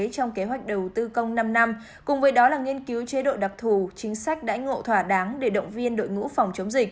trong kế hoạch đầu tư công năm năm cùng với đó là nghiên cứu chế độ đặc thù